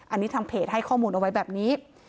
อันนี้ทางเพจให้ข้อมูลเอาไว้แบบนี้